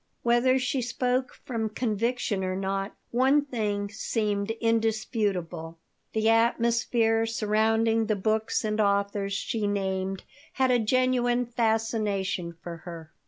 Whether she spoke from conviction or not, one thing seemed indisputable: the atmosphere surrounding the books and authors she named had a genuine fascination for her.